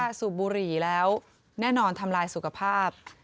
ถ้าสูบบุหรี่แล้วแน่นอนทำลายสุขภาพ